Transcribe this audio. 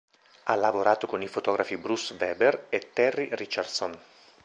Ha lavorato con i fotografi Bruce Weber e Terry Richardson.